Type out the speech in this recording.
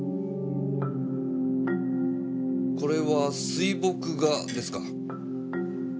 これは水墨画ですか？